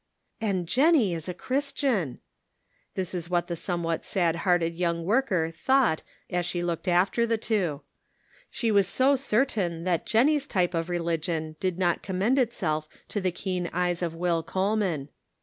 " And Jennie is a Christian !" This is what the somewhat sad hearted young worker thought as she looked after the two. She was so cer Measuring Brains and Hearts. 129 tain that Jennie's type of religion did not commend itself to the keen eyes of Will Coleman.